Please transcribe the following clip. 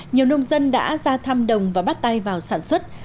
nhiều nông dân đã ra thăm đồng và bắt tay vào sản xuất